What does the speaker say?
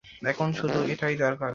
এখন শুধু এটাই দরকার।